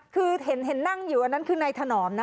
คือเห็นนั่งอยู่อันนั้นคือนายถนอมนะ